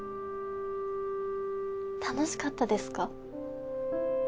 楽しかったですか？